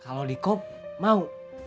kalau dikop mau